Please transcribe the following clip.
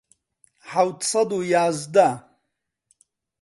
حەوت سەد و یازدە